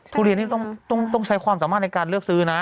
ทุเรียนนี่ต้องใช้ความสามารถในการเลือกซื้อนะ